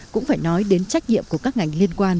cũng phải nói đến trách nhiệm của các ngành liên quan